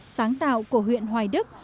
sáng tạo của huyện hoài đức